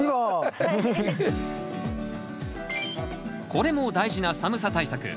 これも大事な寒さ対策。